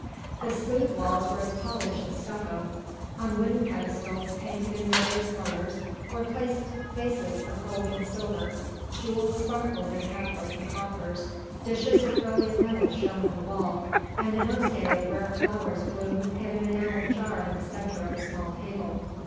The smooth walls were as polished as stucco. On wooden pedestals, painted in various colours, were placed vases of gold and silver; jewels sparkled in half open coffers; dishes of brilliant metal shone on the wall; and a nosegay of rare flowers bloomed in an enamelled jar in the centre of a small table.